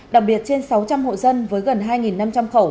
đặc biệt trên sáu trăm linh hộ dân với gần hai năm trăm linh khẩu